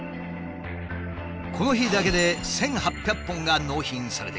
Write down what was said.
この日だけで１，８００本が納品されてきた。